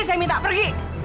saya minta pergi